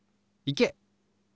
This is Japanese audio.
行け！